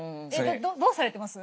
どうされてます？